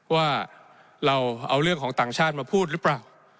ว่าเราเอาเรื่องของต่างชาติมาพูดหรือเปล่า